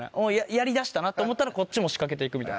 やりだしたなって思ったらこっちも仕掛けて行くみたいな。